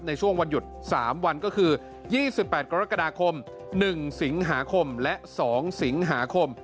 ในช่วงวันหยุด๓วันก็คือ๒๘กรกฎาคม๑สิงหาคมและ๒สิงหาคม